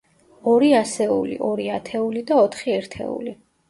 ორი ასეული, ორი ათეული და ოთხი ერთეული.